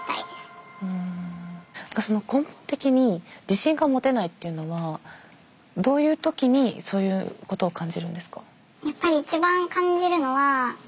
根本的に自信が持てないっていうのはどういう時にそういうことを感じるんですか？